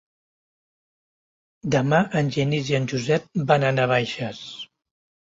Demà en Genís i en Josep van a Navaixes.